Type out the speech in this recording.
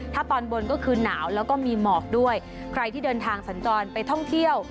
ถ้าตอนบนก็คือหนาวแล้วก็มีหมอกด้วยใครที่เดินทางสัญจรไปท่องเที่ยว